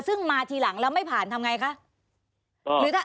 ซึ่งมาทีหลังแล้วไม่ผ่านทำไงคะ